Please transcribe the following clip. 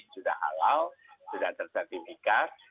sudah halal sudah tersertifikat